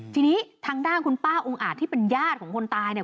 ทีนี้ทางด้านคุณป้าองค์อาจที่เป็นญาติของคนตายเนี่ย